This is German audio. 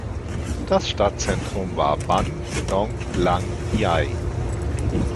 Das Stadtzentrum war Ban Nong Lang Yai.